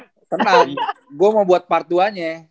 tenang gue mau buat part dua nya